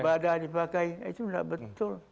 ibadah dipakai itu tidak betul